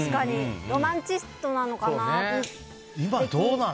ロマンチストなのかな。